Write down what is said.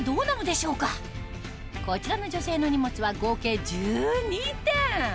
こちらの女性の荷物は合計１２点